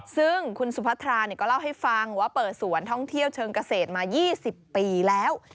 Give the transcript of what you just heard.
ซึ่งคุณสุพัทราก็เล่าให้ฟังว่าเปิดสวนท่องเที่ยวเชิงเกษตรมา๒๐ปีแล้ว